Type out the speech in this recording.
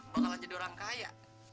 kalau tak jadi orang kaya